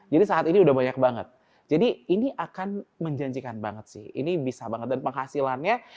jadi saat ini udah banyak banget jadi ini akan menjanjikan banget sih ini bisa banget dan penghasilannya